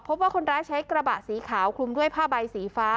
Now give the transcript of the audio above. พบว่าคนร้ายใช้กระบะสีขาวคลุมด้วยผ้าใบสีฟ้า